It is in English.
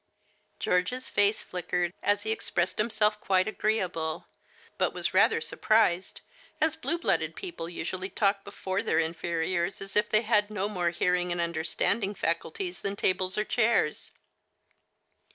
George's face flickered, as he expressed himself quite agreeable, but was rather surprised, as blue blooded people usually talk before their inferiors as if they hadfno more hearing and understand ing faculties than tables or chairs.